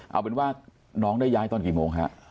เอาเป็นว่าน้องได้ย้ายตอนกี่โมงฮะ